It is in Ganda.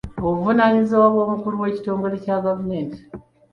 Obuvunaanyizibwa bw'omukulu w'ekitongole gavumenti.